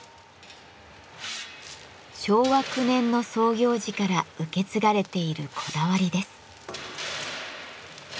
昭和９年の創業時から受け継がれているこだわりです。